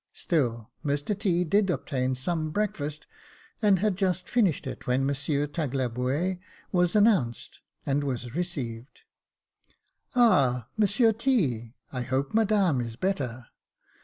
Still Mr T. did obtain some breakfast, and had just finished it when Monsieur Tagliabue was announced, and was received. *' Ah ! Monsieur T., I hope Madame is better.